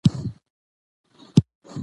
ده ویل، چې کافر ؤ. قاضي پوښتنه ترې وکړه،